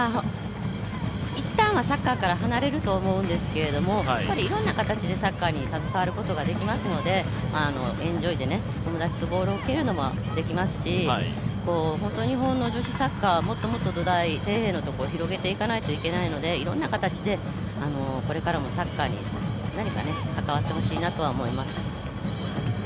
一旦はサッカーから離れると思うんですけどいろんな形でサッカーに携わることができますので、エンジョイで、友達とボールを蹴るのもできますし本当に日本の女子サッカー、もっと底辺のところを広げていかないといけないのでいろんな形でこれからもサッカーに何か関わってほしいなとは思います。